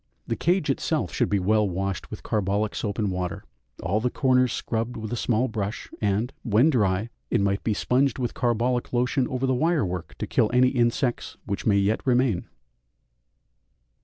The cage itself should be well washed with carbolic soap and water, all the corners scrubbed with a small brush; and, when dry, it might be sponged with carbolic lotion over the wire work to kill any insects which may yet remain.